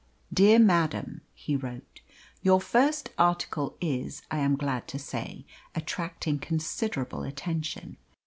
"DEAR MADAM" (he wrote), "Your first article is, I am glad to say, attracting considerable attention.